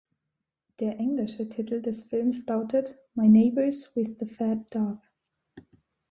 Der englische Titel des Films lautet "My Neighbours With the Fat Dog".